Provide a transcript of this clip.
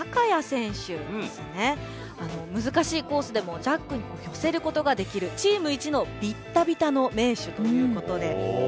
むずかしいコースでもジャックによせることができるチームいちのビッタビタの名手ということで。